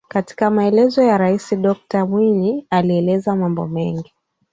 Katika maelezo yake Rais Dokta Mwinyi alieleza mambo mengi